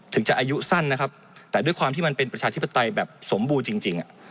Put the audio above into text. ถึงจะอายุสั้นนะครับแต่ด้วยความที่มันเป็นประชาธิปไตยแบบสมบูรณ์จริง